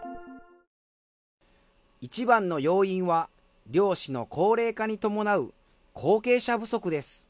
一番の要因は漁師の高齢化に伴う後継者不足です。